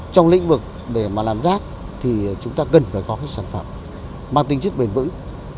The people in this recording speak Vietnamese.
trong lĩnh vực để làm rác chúng ta cần phải có sản phẩm mang tính chất bền vững